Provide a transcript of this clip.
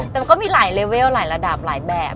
แต่มันก็มีหลายเลเวลหลายระดับหลายแบบ